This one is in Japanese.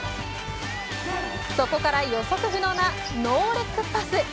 そこから予測不能なノールックパス。